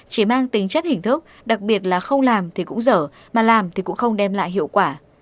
chỉ mang tính chất hình thức đặc biệt là không làm thì cũng dở mà làm thì cũng không đem lại hiệu quả